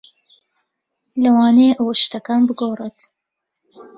لەوانەیە ئەوە شتەکان بگۆڕێت.